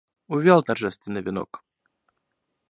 Увял торжественный венок.